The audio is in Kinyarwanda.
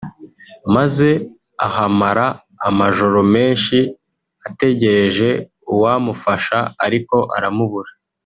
maze ahamara amajoro menshi ategereje uwamufasha ariko aramubura